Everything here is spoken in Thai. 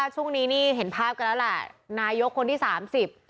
ช่วงนี้นี่เห็นภาพกันแล้วแหละนายกคนที่สามสิบ